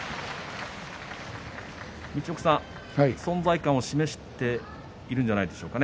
陸奥さん、存在感を示しているんじゃないですか？